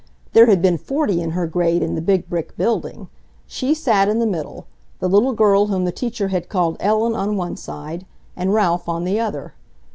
There had been forty in her grade in the big brick building. She sat in the middle, the little girl whom the teacher had called Ellen on one side, and Ralph on the other.